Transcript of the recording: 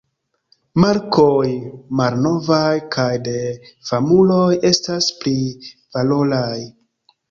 Markoj malnovaj kaj de famuloj estas pli valoraj.